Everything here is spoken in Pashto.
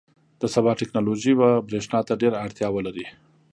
• د سبا ټیکنالوژي به برېښنا ته ډېره اړتیا ولري.